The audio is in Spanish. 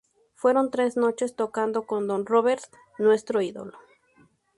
Fueron tres noches tocando con don Robert, nuestro ídolo.